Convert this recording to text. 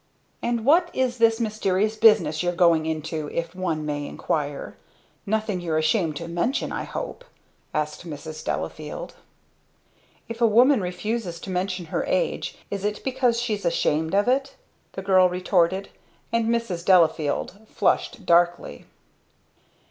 "And what is this mysterious business you're goin' into if one may inquire? Nothin you're ashamed to mention, I hope?" asked Mrs. Delafield. "If a woman refuses to mention her age is it because she's ashamed of it?" the girl retorted, and Mrs. Delafield flushed darkly.